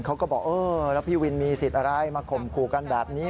เขาก็บอกเออแล้วพี่วินมีสิทธิ์อะไรมาข่มขู่กันแบบนี้